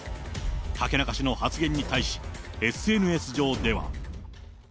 竹中氏の発言に対し、ＳＮＳ上では。